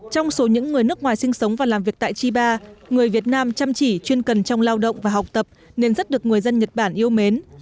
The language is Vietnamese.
trong số những người nước ngoài sinh sống và làm việc tại chiba người việt nam chăm chỉ chuyên cần trong lao động và học tập nên rất được người dân nhật bản yêu mến